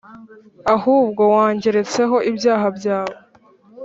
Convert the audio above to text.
ahubwo wangeretseho ibyaha byawe,